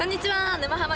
「沼ハマ」